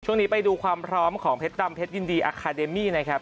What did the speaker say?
ช่วงนี้ไปดูความพร้อมของเพชรดำเพชรยินดีอาคาเดมี่นะครับ